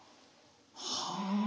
はあ。